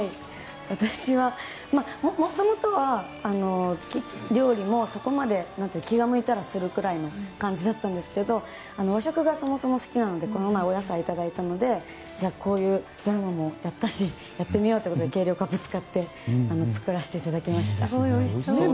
私はもともとは料理も気が向いたらするぐらいの感じだったんですけど和食がそもそも好きなのでこの前、お野菜をいただいたのでこういうドラマもやったしやってみようということで計量カップを使って作らせていただきました。